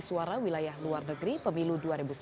suara wilayah luar negeri pemilu dua ribu sembilan belas